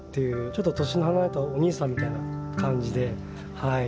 ちょっと年の離れたお兄さんみたいな感じではい。